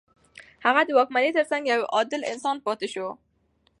هغه د واکمنۍ تر څنګ يو عادل انسان پاتې شو.